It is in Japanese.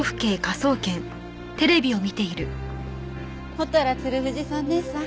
ほたら鶴藤さん姉さん